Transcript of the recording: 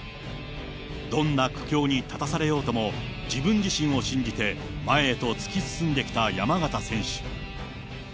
どんな苦境に立たされようとも、自分自身を信じて前へと突き進んできた山縣選手。